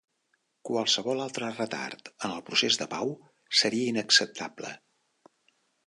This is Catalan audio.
Qualsevol altre retard en el procés de pau seria inacceptable.